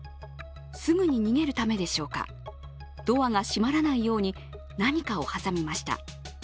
すぐに逃げるためでしょうか、ドアが閉まらないように何かを挟みました。